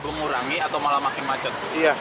mengurangi atau malah makin macet